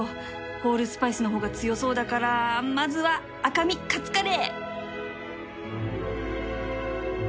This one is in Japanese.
ホールスパイスの方が強そうだからまずは赤身カツカレー